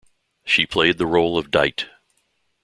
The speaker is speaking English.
She played the role of Dite.